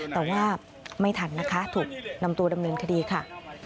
แต่ว่าไม่ทันนะคะถูกนำตัวดำเนินคดีค่ะ